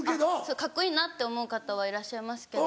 カッコいいなって思う方はいらっしゃいますけど。